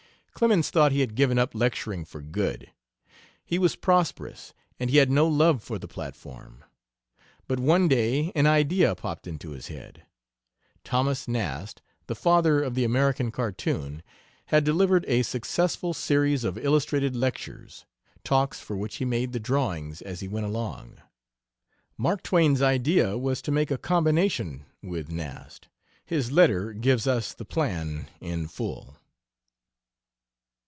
Clemens thought he had given up lecturing for good; he was prosperous and he had no love for the platform. But one day an idea popped into his head: Thomas Nast, the "father of the American cartoon," had delivered a successful series of illustrated lectures talks for which he made the drawings as he went along. Mark Twain's idea was to make a combination with Nast. His letter gives us the plan in full.